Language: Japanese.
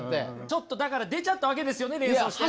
ちょっとだから出ちゃったわけですよね連想したやつが。